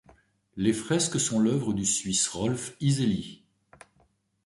Les fresques sont l'œuvre du Suisse Rolf Iseli.